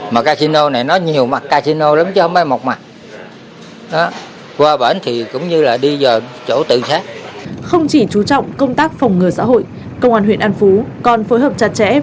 mà casino này nó nhiều mặt casino chứ không phải một mặt